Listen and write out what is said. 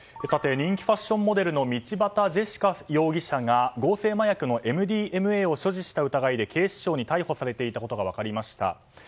人気ファッションモデルの道端ジェシカ容疑者が合成麻薬のＭＤＭＡを所持した疑いで警視庁に逮捕されていたことが分かりました。